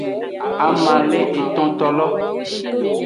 Ama le etontolo.